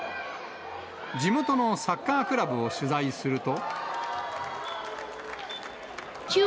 地元のサッカークラブを取材すると。